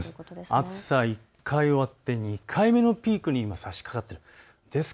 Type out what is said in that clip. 暑さ１回終わって２回目のピークにさしかかっています。